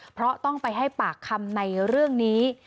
เพราะต้องไปให้ปากคำในเรื่องนี้